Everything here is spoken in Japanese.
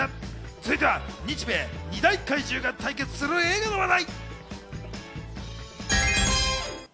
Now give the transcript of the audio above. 続いては日米二大怪獣が対決する映画の話題。